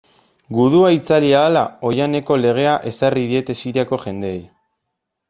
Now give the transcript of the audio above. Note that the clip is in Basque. Gudua itzali ahala, oihaneko legea ezarri diete Siriako jendeei.